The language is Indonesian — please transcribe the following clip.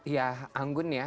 ya anggun ya